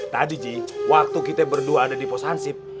tadi ji waktu kita berdua ada di pos hansip